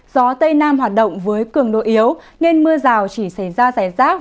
gió tây nam hoạt động với cường độ yếu nên mưa rào chỉ xảy ra giải giác